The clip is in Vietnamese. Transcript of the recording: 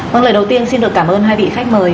vâng lời đầu tiên xin được cảm ơn hai vị khách mời